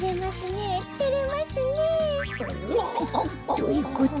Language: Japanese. どういうこと？